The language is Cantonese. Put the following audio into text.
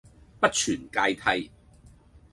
不存芥蒂